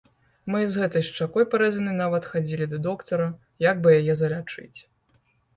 Мы і з гэтай шчакой парэзанай нават хадзілі да доктара, як бы яе залячыць.